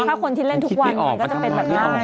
มีค่าคนที่เล่นทุกวันมันก็จะเป็นแบบอ้าวต่อเนื่องกันไป